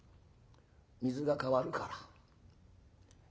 水が変わるから気ぃ